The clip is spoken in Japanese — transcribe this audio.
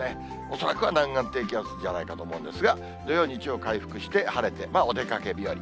恐らくは南岸低気圧じゃないかと思うんですが、土曜、日曜回復して晴れて、お出かけ日和。